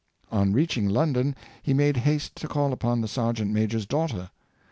On reaching London, he made haste to call upon the sergeant major's daugh ter.